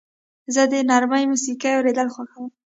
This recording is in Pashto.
زه د نرمې موسیقۍ اورېدل خوښوم.